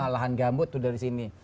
lahan gambut tuh dari sini